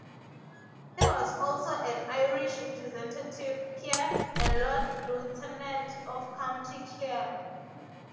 He was also an Irish Representative Peer and Lord Lieutenant of County Clare.